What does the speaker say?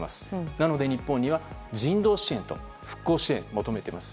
なので、日本には人道支援と復興支援を求めています。